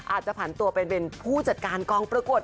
อาจจะผ่านตัวไปเป็นผู้จัดการกองประกวด